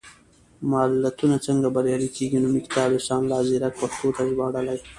ملتونه څنګه بریالي کېږي؟ نومي کتاب، احسان الله ځيرک پښتو ته ژباړلی.